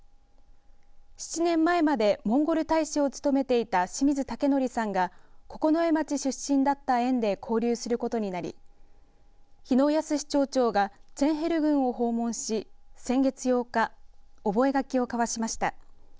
７年前までモンゴル大使を務めていた清水武則さんが九重町出身だった縁で交流することになり日野康志町長がツェンヘル郡を訪問し先月８日覚書を交わしました。